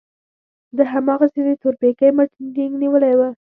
ده هماغسې د تورپيکۍ مټ ټينګ نيولی و.